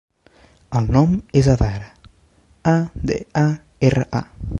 El nom és Adara: a, de, a, erra, a.